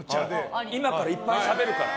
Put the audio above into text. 今からいっぱいしゃべるから。